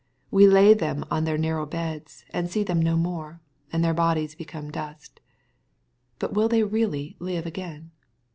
We lay them in their narrow beds, and see them no more^ and their bodies become dust. But will they really live again